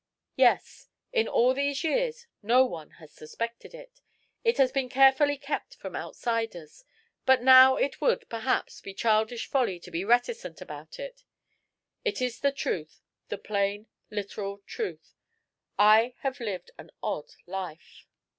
"Yes. In all these years no one has suspected it. It has been carefully kept from outsiders. But now it would, perhaps, be childish folly to be reticent about it. It is the truth the plain, literal truth I have lived an odd life."